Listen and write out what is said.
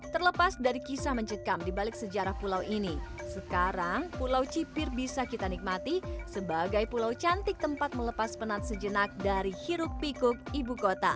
terlepas dari kisah mencekam di balik sejarah pulau ini sekarang pulau cipir bisa kita nikmati sebagai pulau cantik tempat melepas penat sejenak dari hiruk pikuk ibu kota